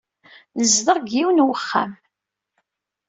Nezdeɣ deg yiwen wexxam.